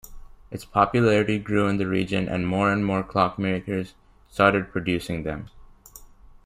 Its popularity grew in the region and more and more clockmakers started producing them.